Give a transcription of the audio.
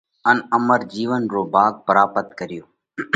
ان امر جِيونَ رو ڀاڳ پراپت ڪريو۔